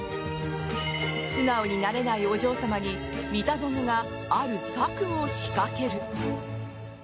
素直になれないお嬢様に三田園がある策を仕掛ける。